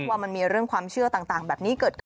ว่ามันมีเรื่องความเชื่อต่างแบบนี้เกิดขึ้น